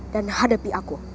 dan hadapi aku